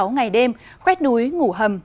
năm mươi sáu ngày đêm khoét núi ngủ hầm